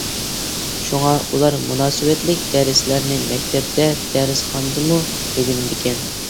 شۇڭا ئۇلار مۇناسىۋەتلىك دەرسلەرنى مەكتەپتە، دەرسخانىدىمۇ ئۆگىنىدىكەن.